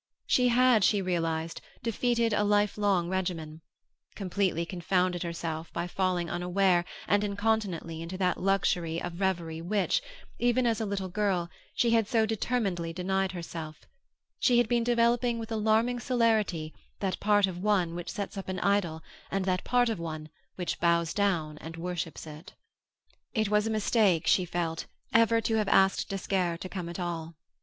She had, she realized, defeated a lifelong regimen; completely confounded herself by falling unaware and incontinently into that luxury of reverie which, even as a little girl, she had so determinedly denied herself, she had been developing with alarming celerity that part of one which sets up an idol and that part of one which bows down and worships it. It was a mistake, she felt, ever to have asked d'Esquerre to come at all.